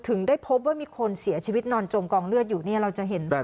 ได้พบว่ามีคนเสียชีวิตนอนจมกองเลือดอยู่เนี่ยเราจะเห็น